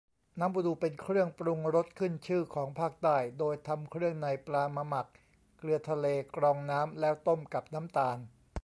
น้ำบูดู เป็นเครื่องปรุงรสขึ้นชื่อของภาคใต้ โดยทำเครื่องในปลามาหมักเกลือทะเล กรองน้ำ แล้วต้มกับน้ำตาล